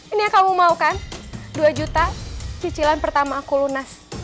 ini yang kamu maukan dua juta cicilan pertama aku lunas